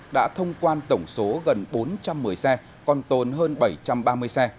đã thông quan tổng số gần bốn trăm một mươi xe còn tồn hơn bảy trăm ba mươi xe